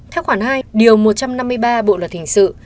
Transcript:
theo khoảng hai một trăm năm mươi ba bộ luật hình sự